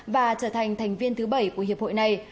và trở thành thành viên thứ bảy của hiệp hội này